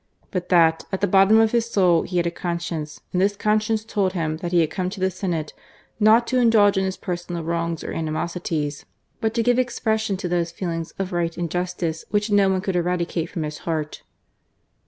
But that, at the bottom of his soul he had a conscience and this conscience told him that he had come to the Senate not to indulge in his personal wrongs or animosities, but to give expres sion to those feelings of right and justice which no one could eradicate from his heart."